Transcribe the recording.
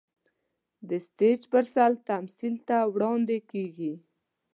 د سټېج پر سر تمثيل ته وړاندې کېږي.